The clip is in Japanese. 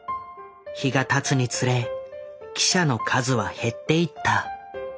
日がたつにつれ記者の数は減っていった。